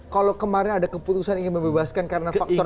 kalau kemarin ada keputusan ingin membebaskan karena faktor